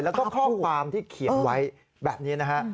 แล้วก็ข้อความที่เขียนไว้แบบนี้นะฮะ